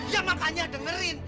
ya makanya dengerin